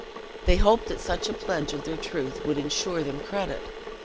They hoped such a pledge of their truth would insure them credit.